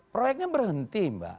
proyeknya berhenti mbak